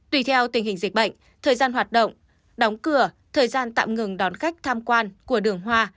tùy theo tình hình dịch bệnh thời gian hoạt động đóng cửa thời gian tạm ngừng đón khách tham quan của đường hoa